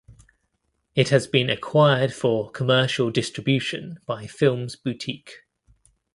It has been acquired for commercial distribution by Films Boutique.